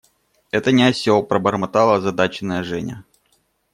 – Это не осел, – пробормотала озадаченная Женя.